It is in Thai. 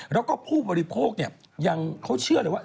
แล้วก็ผู้บริโภคยังเขาเชื่อเลยว่า